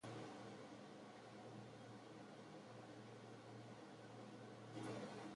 Balitekek, baina hori baino sakonagoa duk kontua.